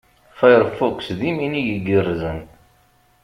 Firefox, d iminig igerrzen.